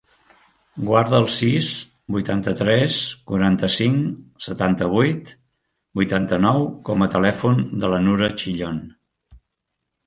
Guarda el sis, vuitanta-tres, quaranta-cinc, setanta-vuit, vuitanta-nou com a telèfon de la Nura Chillon.